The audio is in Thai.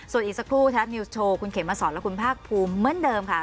ส่วนอีกสักครู่ไทยรัฐนิวส์โชว์คุณเขมมาสอนและคุณภาคภูมิเหมือนเดิมค่ะ